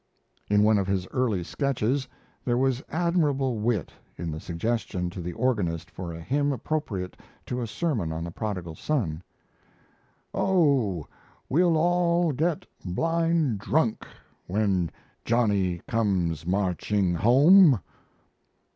In one of his early sketches, there was admirable wit in the suggestion to the organist for a hymn appropriate to a sermon on the Prodigal Son: "Oh! we'll all get blind drunk When Johnny comes marching home!"